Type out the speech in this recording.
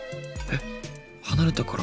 離れたから発熱？